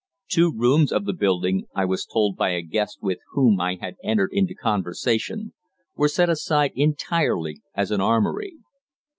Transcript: Two rooms of the building, I was told by a guest with whom I had entered into conversation, were set aside entirely as an armoury.